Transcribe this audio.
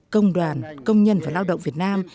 công đoàn công nhân và lao động việt nam